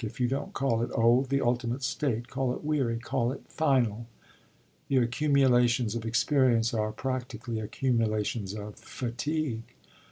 "If you don't call it old, the ultimate state, call it weary call it final. The accumulations of experience are practically accumulations of fatigue."